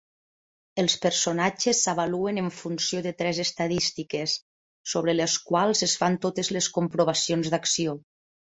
Els personatges s'avaluen en funció de tres "estadístiques", sobre les quals es fan totes les comprovacions d'acció.